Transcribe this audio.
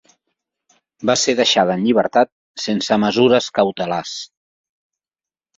Va ser deixada en llibertat sense mesures cautelars.